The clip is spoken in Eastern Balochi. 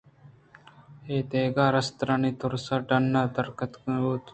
اے دگہ رسترانی تُرس ءَ ڈنّ دراتک نہ بُوتنت